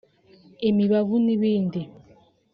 imibavu n’ibindi